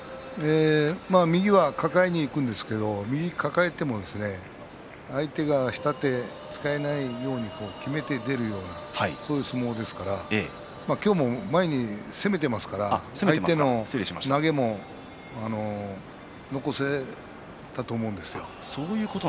右は抱えにいくんですが右、抱えても相手が下手下手を使えないようにきめて出るようなそういう相撲ですから今日も前に攻めていますから相手の投げも残せたと思うんです。